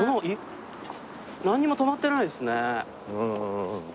なんにも止まってないですね。